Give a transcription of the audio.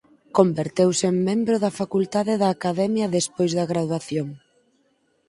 Converteuse en membro da facultade da academia despois da graduación.